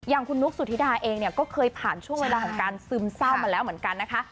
คุณนุ๊กสุธิดาเองเนี่ยก็เคยผ่านช่วงเวลาของการซึมเศร้ามาแล้วเหมือนกันนะคะ